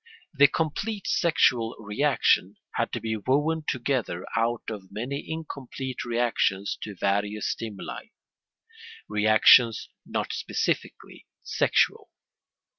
The complete sexual reaction had to be woven together out of many incomplete reactions to various stimuli, reactions not specifically sexual.